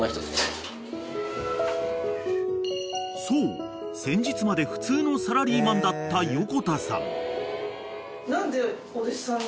［そう先日まで普通のサラリーマンだった横田さん］